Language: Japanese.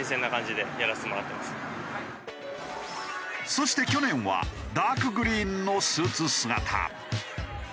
そして去年はダークグリーンのスーツ姿。